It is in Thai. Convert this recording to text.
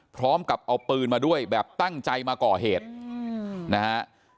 พร้อมกับเอาปืนมาด้วยแบบตั้งใจมาก่อเหตุนะฮะ